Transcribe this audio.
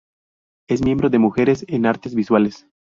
Es miembro de Mujeres en las Artes Visuales.